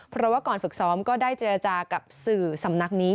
เพราะว่าก่อนฝึกซ้อมก็ได้เจรจากับสื่อสำนักนี้